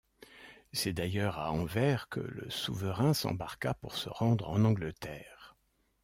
C'est d'ailleurs à Anvers que le souverain s'embarqua pour se rendre en Angleterre.